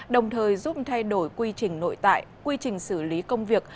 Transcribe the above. đồng thời giúp thay đổi quy trình nội tại quy trình xử lý công việc